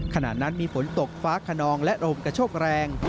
ขณะนั้นมีฝนตกฟ้าขนองและลมกระโชกแรง